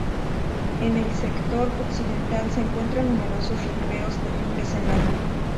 En el sector occidental se encuentran numerosos recreos de fin de semana.